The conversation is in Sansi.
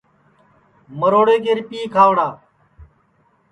مروڑے کے رِپِئے کھاؤڑا